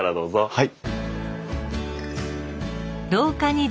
はい。